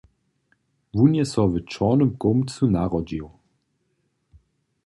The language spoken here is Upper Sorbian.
Wón je so w Čornym Chołmcu narodźił.